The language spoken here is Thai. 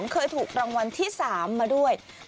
เคยถูกรางวัลที่๓มาด้วย